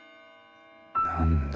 何だ？